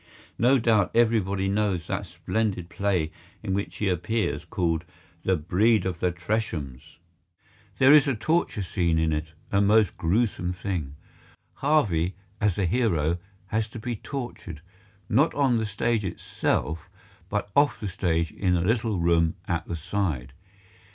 No doubt everybody knows that splendid play in which he appears, called "The Breed of the Treshams." There is a torture scene in it, a most gruesome thing. Harvey, as the hero, has to be tortured, not on the stage itself, but off the stage in a little room at the side.